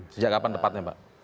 sejak kapan tepatnya pak